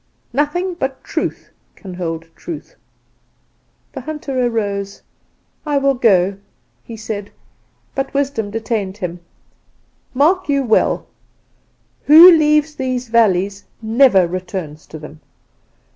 Nothing but Truth can hold Truth.' "The hunter arose. 'I will go,' he said. "But wisdom detained him. "'Mark you well who leaves these valleys never returns to them.